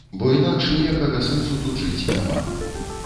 Бо інакш ніякага сэнсу тут жыць няма.